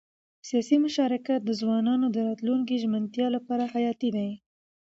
سیاسي مشارکت د ځوانانو د راتلونکي ژمنتیا لپاره حیاتي دی